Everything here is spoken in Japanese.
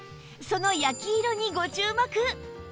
その焼き色にご注目！